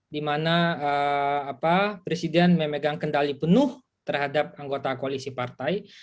di mana presiden memegang kendali penuh terhadap anggota koalisi partai